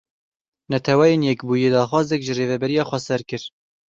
Netewên Yekbûyî daxwazek ji Rêveberiya Xweser kir.